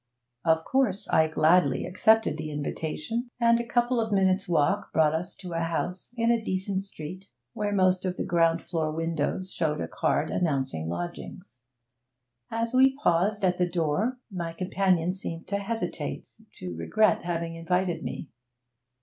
Of course I gladly accepted the invitation, and a couple of minutes' walk brought us to a house in a decent street where most of the ground floor windows showed a card announcing lodgings. As we paused at the door, my companion seemed to hesitate, to regret having invited me.